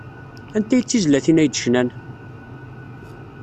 Anti ay d tizlatin ay d-cnan?